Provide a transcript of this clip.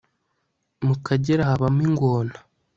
mu kagera habamo ingona